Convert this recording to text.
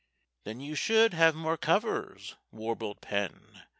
"Then you should have more covers," warbled Penn.